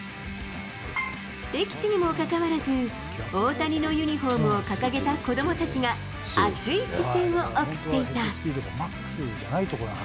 敵地にもかかわらず、大谷のユニホームを掲げた子どもたちが熱い視線を送っていた。